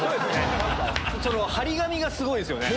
貼り紙がすごいですよね。